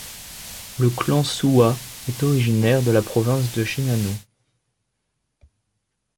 Le clan Suwa est originaire de la province de Shinano.